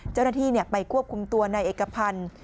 เจ้าหน้าที่เนี่ยไปควบคุมตัวในเอกพันธ์